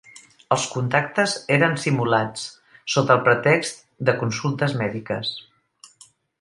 Els contactes eren simulats sota el pretext de consultes mèdiques.